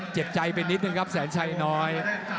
เจ็บใจไปนิดนึงครับแสนชัยน้อย